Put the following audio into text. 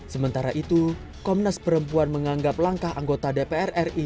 sementara itu komnas perempuan menganggap langkah anggota dpr ri